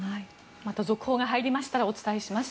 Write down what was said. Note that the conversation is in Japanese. また続報が入りましたらお伝えします。